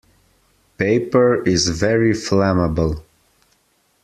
Paper is very flammable.